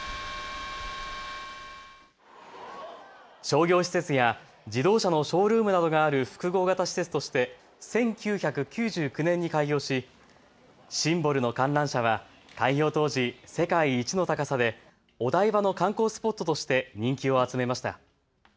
商業施設や自動車のショールームなどがある複合型施設として１９９９年に開業しシンボルの観覧車は開業当時、世界一の高さでお台場の観光スポットとして人気を集めました。